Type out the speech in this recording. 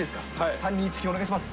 ３、２、１、キュー、お願いします。